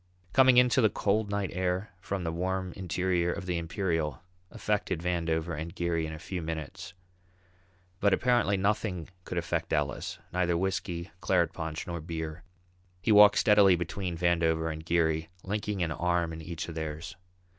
Coming out into the cold night air from the warm interior of the Imperial affected Vandover and Geary in a few minutes. But apparently nothing could affect Ellis, neither whisky, claret punch nor beer. He walked steadily between Vandover and Geary, linking an arm in each of theirs.